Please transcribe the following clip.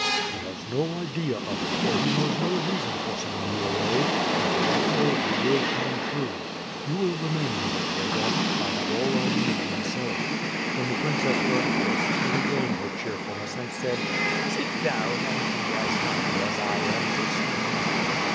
'' *'He has no idea of it, for he knows no reason for sending you away, and what I told you will come true. You will re main in Kozloga; I have all I need myself." When the princess heard this, she regained her cheerful ness and said: "Sit down and be as happy as I am to see you."